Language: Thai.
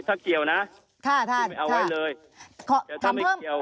สักเดียวน่ะค่ะท่านท่านเอาไว้เลยพอไปทำให้ด้วย